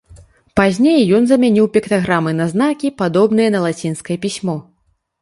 Пазней ён замяніў піктаграмы на знакі, падобныя на лацінскае пісьмо.